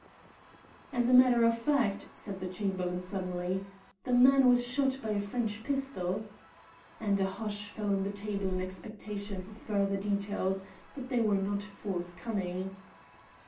"As a matter of fact," said the Chamberlain suddenly, "the man was shot by a French pistol," and a hush fell on the table in expectation of further details, but they were not forthcoming.